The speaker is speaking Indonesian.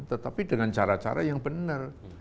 tetapi dengan cara cara yang benar